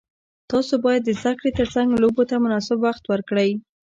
تاسو باید د زده کړې ترڅنګ لوبو ته مناسب وخت ورکړئ.